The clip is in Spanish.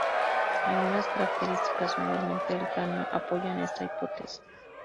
Algunas características, mayormente del cráneo, apoyan esta hipótesis.